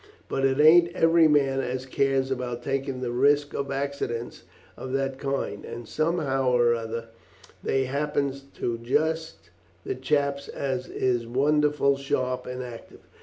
But it ain't every man as cares about taking the risk of accidents of that kind, and, somehow or other, they happens to just the chaps as is wonderful sharp and active.